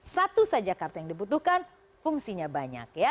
satu saja kartu yang dibutuhkan fungsinya banyak ya